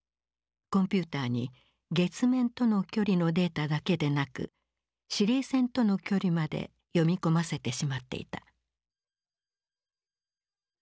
コンピューターに月面との距離のデータだけでなく司令船との距離まで読み込ませてしまっていた。